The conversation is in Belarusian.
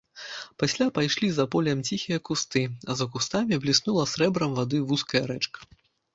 Пасля пайшлі за полем ціхія кусты, а за кустамі бліснула срэбрам вады вузкая рэчка.